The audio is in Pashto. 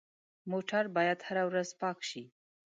موټر باید هره ورځ پاک شي.